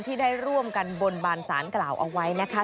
ที่ได้ร่วมกันบนบานสารกล่าวเอาไว้นะคะ